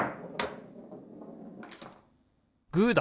グーだ！